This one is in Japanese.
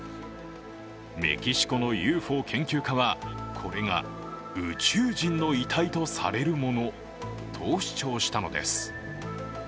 メキシコのＵＦＯ研究家は、これが宇宙人の遺体とされるものと主張したのです。